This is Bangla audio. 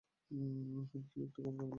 কিন্তু তুমি একটা কথা বলোনি।